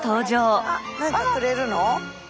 あっ何かくれるの？